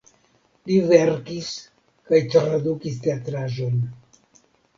Li verkis kaj tradukis teatraĵojn.